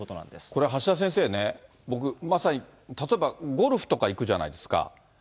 これ、橋田先生ね、僕、まさに例えば、ゴルフとか行くじゃないですか。